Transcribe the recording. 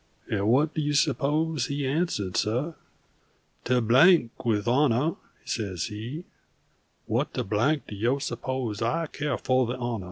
And what do you suppose he answered, suh? 'To Blank with the honah!' says he. 'What the blank do yo' suppose I caiah fo' the honah?'